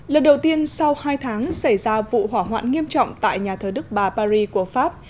lần đầu tiên sau hai tháng xảy ra vụ hỏa hoạn nghiêm trọng tại nhà thờ đức bà paris của pháp